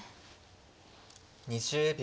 ２０秒。